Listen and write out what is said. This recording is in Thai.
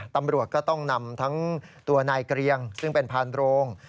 ตำรวจก็ต้องนำทั้งตัวนายเกรียงซึ่งเป็นพานโรง